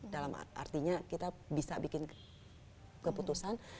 dalam artinya kita bisa bikin keputusan